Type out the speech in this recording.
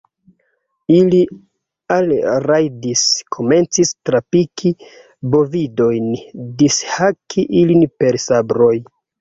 ili alrajdis, komencis trapiki bovidojn, dishaki ilin per sabroj.